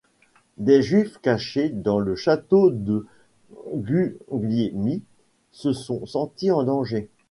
Des juifs, cachés dans le château de Guglielmi, se sont senti en danger.